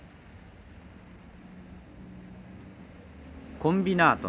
コンビナートの町